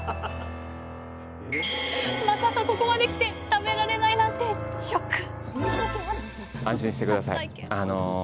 まさかここまで来て食べられないなんてショック！